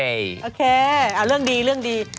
โอเคเอาเรื่องดีเรื่องดี